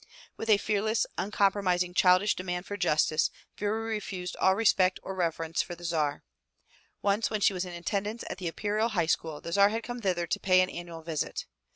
With a fearless, uncompromising childish demand for justice Vera refused all respect or reverence for the Tsar. Once when she was in attendance at the Imperial High School, the Tsar had come thither to pay an annual visit.